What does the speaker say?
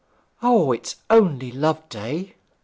'O! It is only Loveday.'